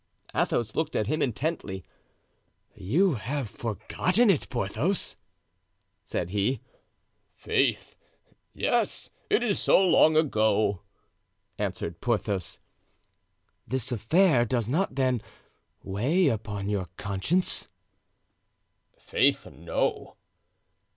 Athos looked at him intently. "You have forgotten it, Porthos?" said he. "Faith! yes, it is so long ago," answered Porthos. "This affair does not, then, weigh upon your conscience?" "Faith, no."